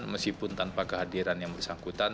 meskipun tanpa kehadiran yang bersangkutan